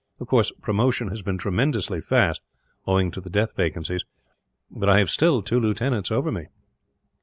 Of course, promotion has been tremendously fast, owing to the death vacancies, but I have still two lieutenants over me."